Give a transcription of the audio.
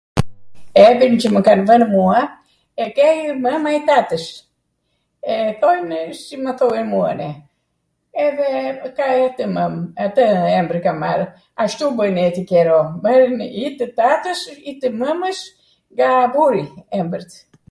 Emrin qw mw kanw vwnw mua e kej mwma i tatws, e thojnw si ma thonw muane, edhe atw embwr kam marw, ashtu bwjn atw qero, vwrwnw i tw tatws i tw mwmws nga buri emrwt.